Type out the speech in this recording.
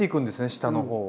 下の方を。